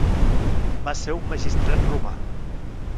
Va ser un magistrat romà.